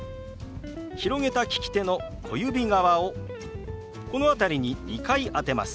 広げた利き手の小指側をこの辺りに２回当てます。